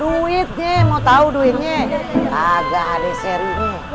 duitnya mau tau duitnya agak ada seri